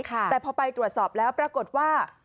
แต่พอไปตรวจสอบแล้วปรากฏว่า